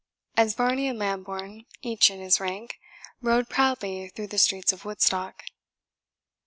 as Varney and Lambourne, each in his rank, rode proudly through the streets of Woodstock.